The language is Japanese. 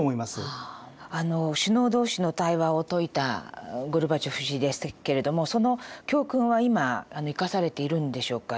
首脳同士の対話を説いたゴルバチョフ氏でしたけれどもその教訓は今生かされているんでしょうか？